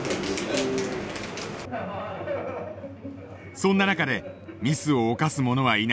そんな中でミスを犯す者はいないか。